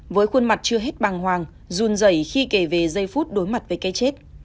với khuôn mặt chưa hết bằng hoàng run dày khi kể về dây phút đối mặt với cây chết